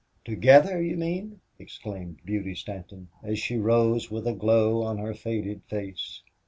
"Together, you mean!" exclaimed Beauty Stanton, as she rose with a glow on her faded face.